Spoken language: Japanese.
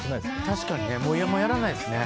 確かに、もうやらないですね。